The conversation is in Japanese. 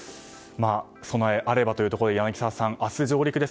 備えあればというところで柳澤さん、明日上陸です。